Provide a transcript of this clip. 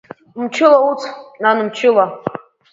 Мчыла уцә, нан, мчыла.